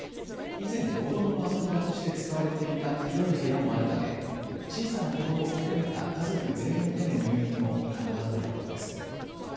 以前、子どもの遊び場として使われていた広い部屋もあるため小さな子どもを含めた家族全員での入院も可能だということです。